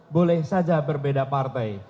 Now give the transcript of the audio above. boleh saja berbeda partai